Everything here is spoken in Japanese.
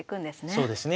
そうですね。